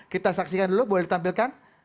kita saksikan dulu boleh ditampilkan